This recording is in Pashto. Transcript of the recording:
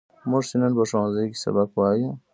موږ چې نن په ښوونځي کې سبق وایو.